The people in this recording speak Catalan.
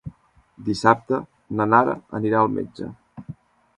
Dissabte na Nara anirà al metge.